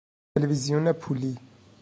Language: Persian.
تلویزیون پولی